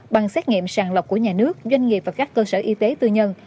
bằng xét nghiệm sàng lọc của nhà nước doanh nghiệp và các cơ sở y tế tư nhân